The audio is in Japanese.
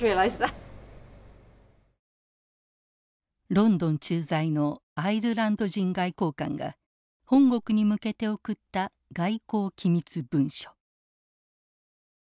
ロンドン駐在のアイルランド人外交官が本国に向けて送った外交機密文書。